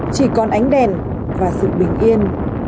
chỉ còn ánh đèn và sự bình yên